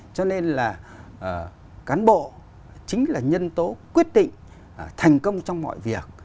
cho nên là cán bộ chính là nhân tố quyết định thành công trong mọi việc